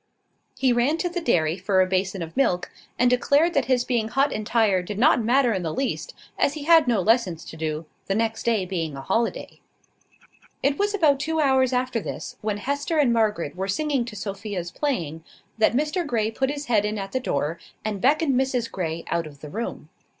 He ran to the dairy for a basin of milk, and declared that his being hot and tired did not matter in the least, as he had no lessons to do the next day being a holiday. It was about two hours after this, when Hester and Margaret were singing to Sophia's playing, that Mr Grey put his head in at the door, and beckoned Mrs Grey out of the room.